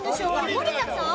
森田さん？